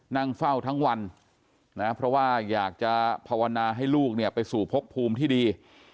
นั่งเฝ้าทั้งวันนะเพราะว่าอยากจะภาวนาให้ลูกเนี่ยไปสู่พบภูมิที่ดี